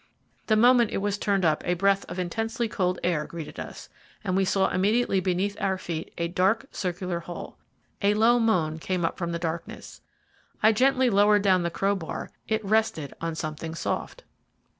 The moment it was turned up a breath of intensely cold air greeted us, and we saw immediately beneath our feet a dark, circular hole. A low moan came up from the darkness. I gently lowered down the crowbar; it rested on something soft.